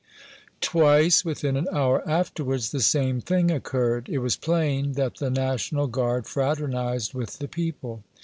Twice, within an hour afterwards, the same thing occurred. It was plain that the National Guard fraternized with the people.